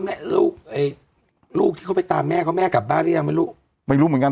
แม่ลูกไอ้ลูกลูกที่เขาไปตามแม่เขาแม่กลับบ้านหรือยังไม่รู้ไม่รู้เหมือนกัน